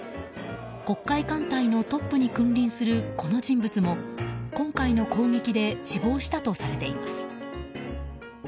黒海艦隊のトップに君臨するこの人物も今回の攻撃で死亡したとされています。